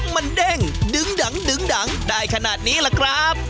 มันเด้งดึงดังดึงดังได้ขนาดนี้ล่ะครับ